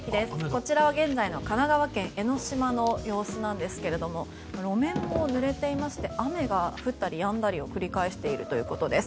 こちらは現在の神奈川県・江の島の様子なんですが路面もぬれていまして雨が降ったりやんだりを繰り返しているということです。